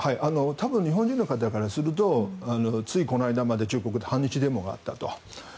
多分日本人の方からするとついこの間まで中国で反日デモがあったと。